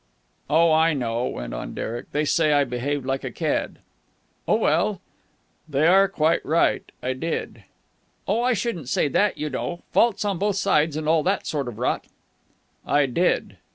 "Oh, I know," went on Derek. "They say I behaved like a cad." "Oh, well...." "They are quite right. I did." "Oh, I shouldn't say that, you know. Faults on both sides and all that sort of rot." "I did!"